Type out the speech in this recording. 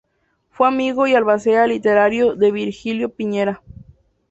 Fue amigo y albacea literario de Virgilio Piñera.